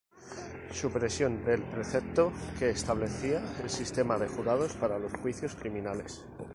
Supresión del precepto que establecía el sistema de jurados para los juicios criminales.